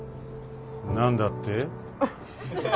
何だって？